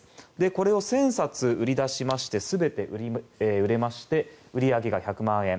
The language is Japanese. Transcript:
これを１０００冊売り出しまして全て売れまして売り上げが１００万円。